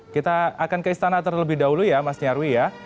kita akan ke istana terlebih dahulu ya mas nyarwi ya